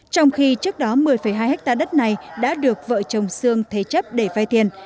trong khi trước đó một mươi hai hectare đất này đã được vợ chồng sương thế chấp để vay tiền